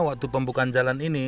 waktu pembukaan jalan ini